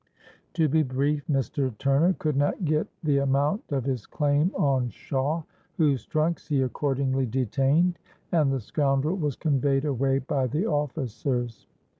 '—To be brief, Mr. Turner could not get the amount of his claim on Shawe, whose trunks he accordingly detained; and the scoundrel was conveyed away by the officers.